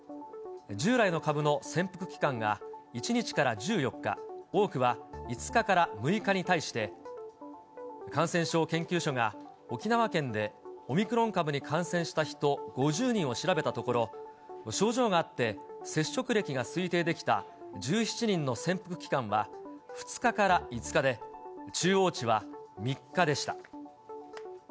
従来の株の潜伏期間が１日から１４日、多くは５日から６日に対して、感染症研究所が、沖縄県でオミクロン株に感染した人５０人を調べたところ、症状があって接触歴が推定できた１７人の潜伏期間は２日から５日で、中央値は３日でした。